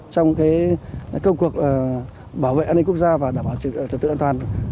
trong công cuộc bảo vệ an ninh quốc gia và đảm bảo trật tự an toàn